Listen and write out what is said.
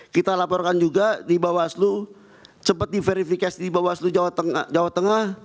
kita laporkan juga di bawaslu cepat diverifikasi di bawaslu jawa tengah